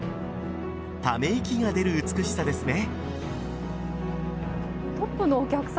ため息が出る美しさですね。